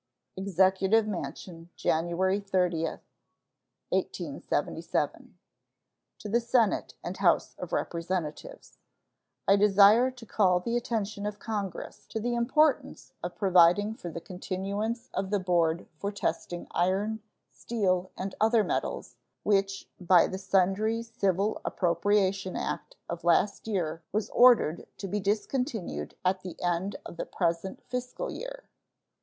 EXECUTIVE MANSION, January 30, 1877. To the Senate and House of Representatives: I desire to call the attention of Congress to the importance of providing for the continuance of the board for testing iron, steel, and other metals, which by the sundry civil appropriation act of last year was ordered to be discontinued at the end of the present fiscal year.